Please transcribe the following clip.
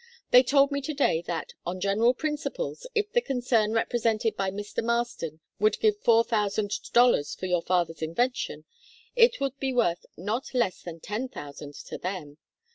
They told me to day that, on general principles, if the concern represented by Mr. Marston would give four thousand dollars for your father's invention, it would be worth not less than ten thousand to them.